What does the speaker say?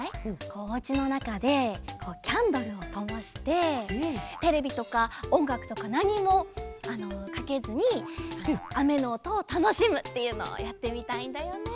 おうちのなかでキャンドルをともしてテレビとかおんがくとかなにもかけずにあめのおとをたのしむっていうのをやってみたいんだよね。